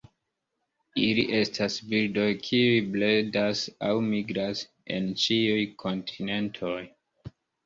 Ili estas birdoj kiuj bredas aŭ migras en ĉiuj kontinentoj.